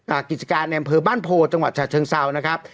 กิจการในอำเภอบ้านโพจังหวัดฉะเชิงเซานะครับ